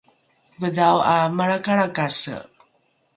vedhao ’a malrakalrakase